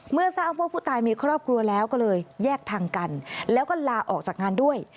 เมื่อทราบว่าผู้ตายมีครอบครัวแล้วก็เลยแยกทางกันแล้วก็ลาออกจากงานด้วย